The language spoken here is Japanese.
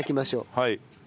はい。